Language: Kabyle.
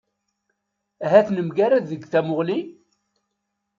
Ahat nemgarad deg tamuɣli?